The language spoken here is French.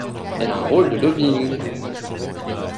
Elle a un rôle de lobbying.